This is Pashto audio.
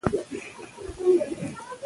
سیلانی ځایونه د افغانانو ژوند اغېزمن کوي.